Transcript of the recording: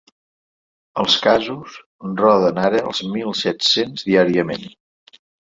Els casos roden ara els mil set-cents diàriament.